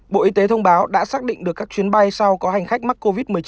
bộ y tế thông báo đã xác định được các chuyến bay sau có hành khách mắc covid một mươi chín